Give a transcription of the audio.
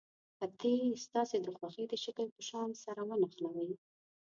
قطي ستاسې د خوښې د شکل په شان سره ونښلوئ.